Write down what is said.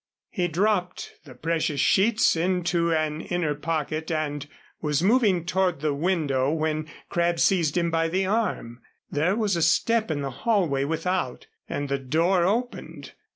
He dropped the precious sheets into an inner pocket and was moving toward the window when Crabb seized him by the arm. There was a step in the hallway without, and the door opened.